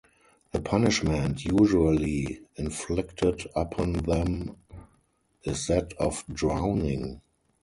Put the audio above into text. The punishment usually inflicted upon them is that of drowning.